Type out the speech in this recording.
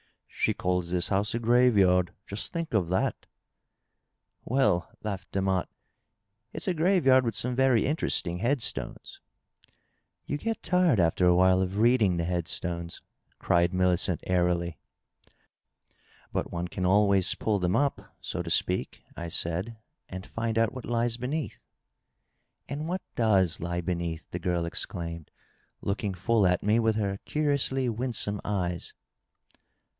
" She calls this house a graveyard. Just think of that !"" Well," laughed Demotte, " it's a graveyard with some very inter esting head stones." " You get tired, after a while, of reading the head stones," cried Milliceut airily. '^ But one can always pull them up, so to speak," I said, ^^ and find out what lies beneath," " And what doea lie beneath ?" the girl exclaimed, looking full at me with her curiously winsome eyes.